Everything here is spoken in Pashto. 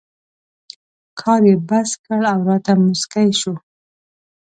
کار یې بس کړ او راته مسکی شو.